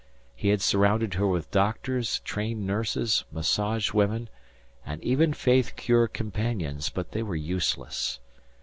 He had surrounded her with doctors, trained nurses, massage women, and even faith cure companions, but they were useless.